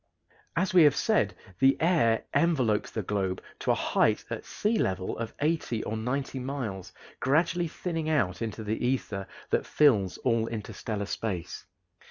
As we have said, the air envelopes the globe to a height at sea level of eighty or ninety miles, gradually thinning out into the ether that fills all interstellar space.